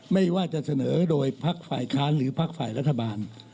ไม่ว่าจะเสนอโดยพักฝ่ายค้านหรือพักฝ่ายรัฐบาล